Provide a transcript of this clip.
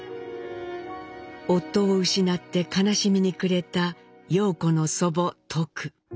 夫を失って悲しみに暮れた陽子の祖母トク。